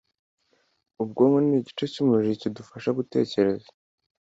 Ubwonko n’ice cy’umubiri kidufasha gutekereza